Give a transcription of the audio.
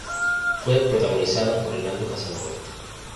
Fue protagonizada por Hernando Casanova.